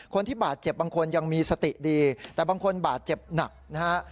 คนที่บาดเจ็บบางคนยังมีสติดีแต่บางคนบาดเจ็บหนักนะฮะ